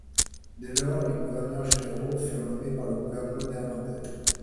Dès lors, les gouverneurs généraux furent nommés par le gouvernement néerlandais.